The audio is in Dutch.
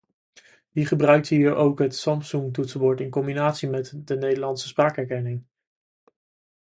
Wie gebruikt hier ook het Samsung toetsenbord in combinatie met de Nederlandse spraakherkenning?